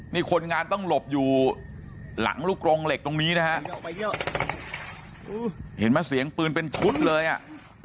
นี่คนงานต้องหลบอยู่หลังลูกกรงเหล็กตรงนี้นะฮะเห็นไหมเสียงปืนเป็นชุดเลยอ่ะ